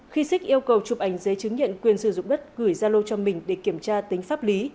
khi xích yêu cầu chụp ảnh giấy chứng nhận quyền sử dụng đất gửi ra lô cho mình để kiểm tra tính pháp lý